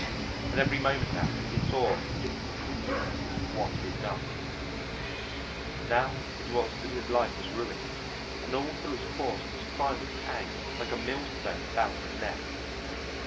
At every moment now he saw the different consequences of what he had done. Now, it was that his life was ruined, and that all through its course this crime would hang like a millstone about his neck.